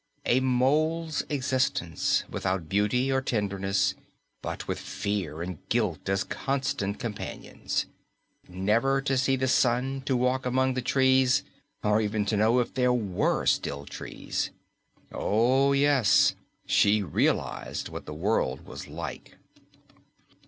A mole's existence, without beauty or tenderness, but with fear and guilt as constant companions. Never to see the Sun, to walk among the trees or even know if there were still trees. Oh, yes, she realized what the world was like.